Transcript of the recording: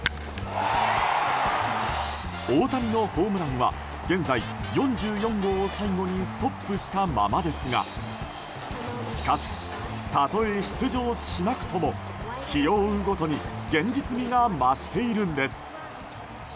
大谷のホームランは現在４４号を最後にストップしたままですがしかし、たとえ出場しなくとも日を追うごとに現実味が増しているんです。